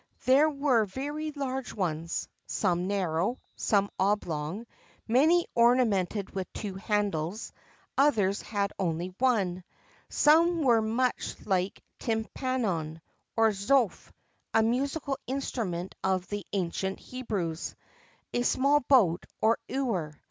There were very large ones, some narrow, some oblong; many ornamented with two handles, others had only one.[XXVII 46] Some were much like a tympanon or zoph, a musical instrument of the ancient Hebrews a small boat or ewer.